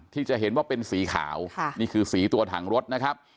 ที่จะเห็นว่าเป็นสีขาวนี่คือสีตัวถังรถนะครับ